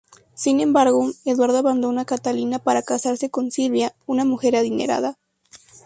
Sin embargo, Eduardo abandona a Catalina para casarse con Silvia, una mujer adinerada.